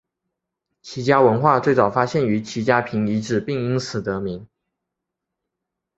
齐家文化最早发现于齐家坪遗址并因此得名。